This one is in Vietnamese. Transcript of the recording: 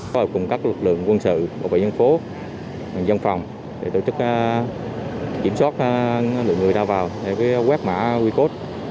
tổ hợp cùng các lực lượng quân sự bảo vệ nhân phố dân phòng để tổ chức kiểm soát lượng người ra vào quét mã quy cốt